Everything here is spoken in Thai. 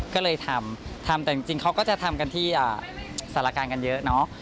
ก็เลยทำทำแต่จริงเขาก็จะทำกันที่สารกลางกันเยอะเนาะ